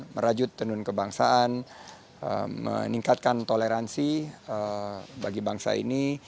merajut tenun kebangsaan meningkatkan toleransi bagi bangsa ini